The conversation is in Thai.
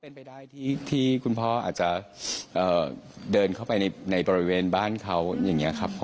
เป็นไปได้ที่คุณพ่ออาจจะเดินเข้าไปในบริเวณบ้านเขาอย่างนี้ครับ